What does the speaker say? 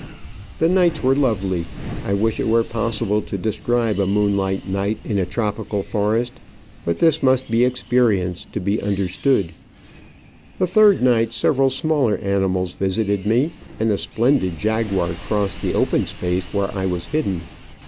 The nights were lovely ; I wish it were possible to describe a moon light night in a tropical forest, but this must be experienced to be understood. The third night several smaller animals visited me, and a splendid jaguar crossed the open space where I was hidden.